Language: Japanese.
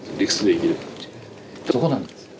そこなんですよ。